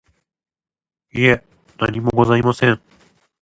いえ、何もございません。